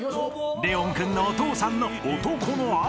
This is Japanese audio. ［レオン君のお父さんの「男の汗」